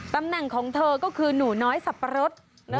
ตำแหน่งของเธอก็คือหนูน้อยสับปะรด